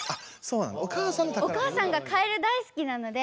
お母さんがかえる大好きなので。